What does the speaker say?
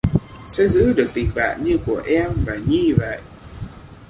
Sẽ giữ được tình bạn như của em và Nhi vậy